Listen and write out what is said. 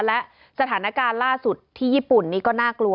และสถานการณ์ล่าสุดที่ญี่ปุ่นนี้ก็น่ากลัว